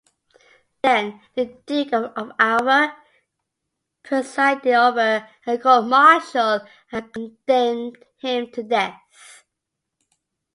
Then, the Duke of Alva presided over a court-martial and condemned him to death.